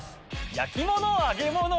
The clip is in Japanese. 焼き物揚げ物！